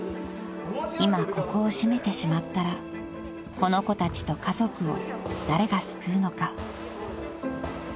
［今ここを閉めてしまったらこの子たちと家族を誰が救うのか］